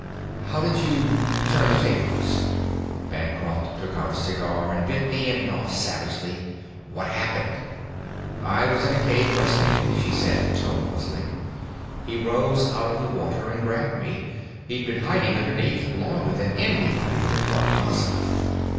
"How did you turn the tables?" Bancroft took out a cigar and bit the end off savagely. "What happened?" "I was in a cave, resting," she said tonelessly. "He rose out of the water and grabbed me. He'd been hiding underneath longer than anybody would have thought possible.